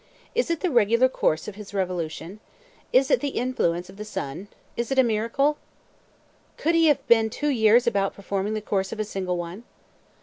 Is it the regular course of his revolution? Is it the influence of the sun? Is it a miracle? Could he have been two years about performing the course of a single one?"